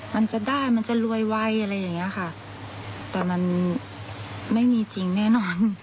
มันจะได้มันจะรวยไวอะไรอย่างเงี้ยค่ะแต่มันไม่มีจริงแน่นอน